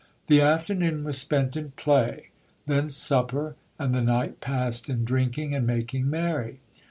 The afternoon was spent in play ; then supper, and the night passed in drinking and making merry.